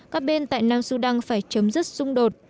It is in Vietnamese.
các bên tại nam sudan phải chấm dứt xung đột